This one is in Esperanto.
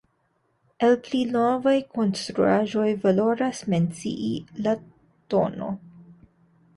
El pli novaj konstruaĵoj valoras mencii la tn.